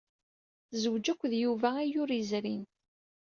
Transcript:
Tezwej akked Yuba ayyur yezrin.